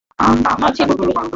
মাছি ঢুকতে পারে!